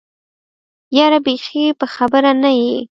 يره بېخي په خبره نه يې.